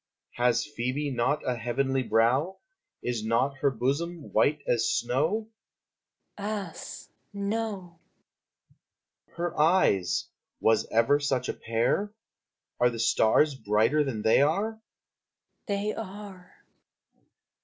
_ Has Phoebe not a heavenly brow? Is not her bosom white as snow? Echo. Ass! No! Lover. Her eyes! was ever such a pair? Are the stars brighter than they are?